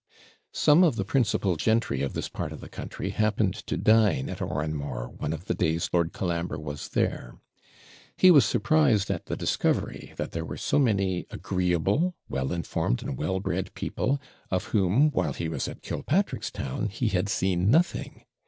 Some of the principal gentry of this part of the country happened to dine at Oranmore one of the days Lord Colambre was there. He was surprised at the discovery, that there were so many agreeable, well informed, and well bred people, of whom, while he was at Killpatrickstown, he had seen nothing.